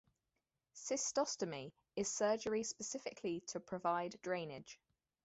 "Cystostomy" is surgery specifically to provide drainage.